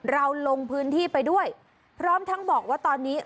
ลงพื้นที่ไปด้วยพร้อมทั้งบอกว่าตอนนี้